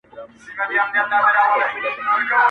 زما د ټوله ژوند تعبیر را سره خاندي,